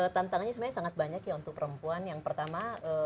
tantangannya sebenarnya sangat banyak ya untuk perempuan yang pertama